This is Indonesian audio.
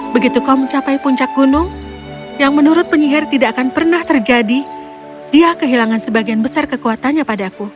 begitu kau mencapai puncak gunung yang menurut penyihir tidak akan pernah terjadi dia kehilangan sebagian besar kekuatannya padaku